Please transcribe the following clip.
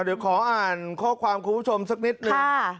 เดี๋ยวขออ่านข้อความคุณผู้ชมสักนิดนึง